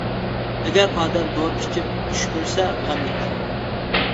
ئەگەر ئادەم دورا ئىچىپ چۈش كۆرسە غەم يېتەر.